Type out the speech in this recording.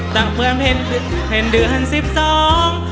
ตั้งเพื่อเห็นเห็นเดือนสิบสอง